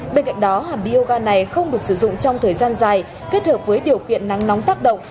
bên cạnh đó hàm bioga này không được sử dụng trong thời gian dài kết hợp với điều kiện nắng nóng tác động